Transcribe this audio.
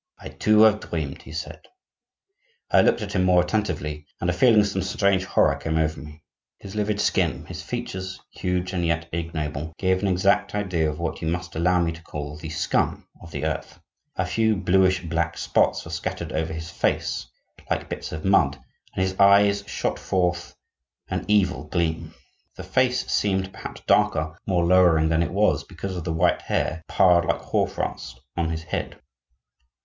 "I, too, have dreamed," he said. I looked at him more attentively, and a feeling of some strange horror came over me. His livid skin, his features, huge and yet ignoble, gave an exact idea of what you must allow me to call the scum of the earth. A few bluish black spots were scattered over his face, like bits of mud, and his eyes shot forth an evil gleam. The face seemed, perhaps, darker, more lowering than it was, because of the white hair piled like hoarfrost on his head.